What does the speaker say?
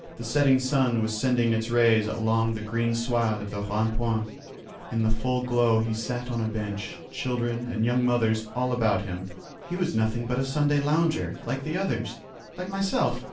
The setting sun was sending its rays along the green sward of the Rond point: in the full glow he sat on a bench, children and young mothers all about him. He was nothing but a Sunday lounger, like the others, like myself.